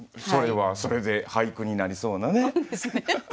それはそれで俳句になりそうなね。